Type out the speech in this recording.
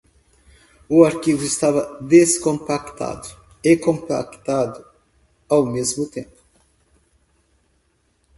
O arquivo estava descompactado e compactado ao mesmo tempo